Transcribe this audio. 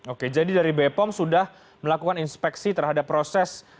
oke jadi dari bepom sudah melakukan inspeksi terhadap proses